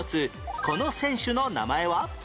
この選手の名前は？